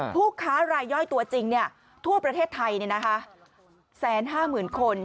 ผู้ค้ารายย่อยตัวจริงทั่วประเทศไทย๑๕๐๐๐คน